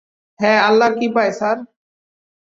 হ্যাঁ, আল্লাহর কৃপায়, স্যার।